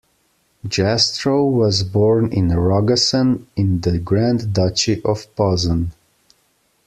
Jastrow was born in Rogasen in the Grand Duchy of Posen.